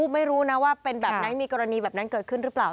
ไม่รู้นะว่าเป็นแบบไหนมีกรณีแบบนั้นเกิดขึ้นหรือเปล่า